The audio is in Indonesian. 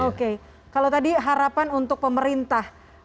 oke kalau tadi harapan untuk pemerintah